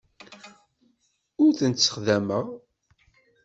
Ur tent-ssexdameɣ.